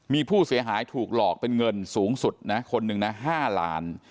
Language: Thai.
มีผู้เสียหายถูกหลอกเป็นเงินสูงสุดนะคนหนึ่งนะ๕ล้าน